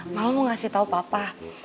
mama mau ngasih tau papa